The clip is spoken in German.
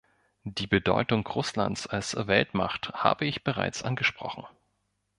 Die Bedeutung Russlands als Weltmacht habe ich bereits angesprochen.